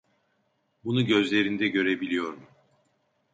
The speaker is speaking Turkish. Bunu gözlerinde görebiliyorum.